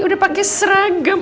udah pakai seragam